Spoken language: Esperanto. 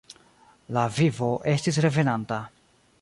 La vivo estis revenanta.